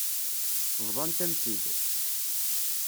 Bḍant-am-tt-id.